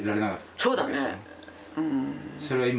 そうだね。